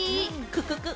クククッ！